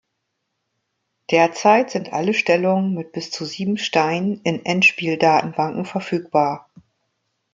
Derzeit sind alle Stellungen mit bis zu sieben Steinen in Endspiel-Datenbanken verfügbar.